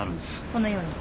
このように。